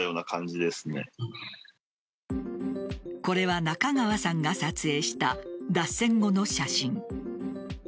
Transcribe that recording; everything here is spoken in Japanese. これは中川さんが撮影した脱線後の写真。